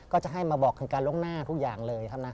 ก็จะให้มาบอกเป็นการล่วงหน้าทุกอย่างเลยครับ